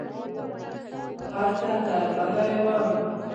هلته درغلې وم .